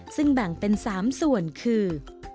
ซึ่งแบ่งเป็น๓ส่วนคือ